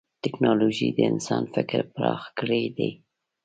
ټکنالوجي د انسان فکر پراخ کړی دی.